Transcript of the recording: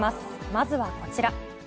まずはこちら。